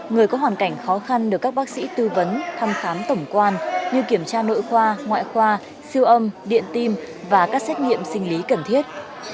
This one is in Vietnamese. người có hoàn cảnh khó khăn được các bác sĩ tư vấn thăm khám tổng quan như kiểm tra nội khoa ngoại khoa siêu âm điện tim và các xét nghiệm sinh lý cần thiết